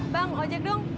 bang ojek dong